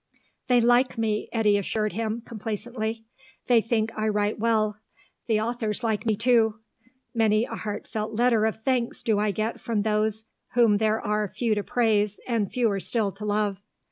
"They like me," Eddy assured him, complacently. "They think I write well. The authors like me, too. Many a heartfelt letter of thanks do I get from those whom there are few to praise and fewer still to love.